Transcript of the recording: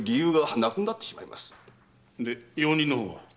で用人の方は？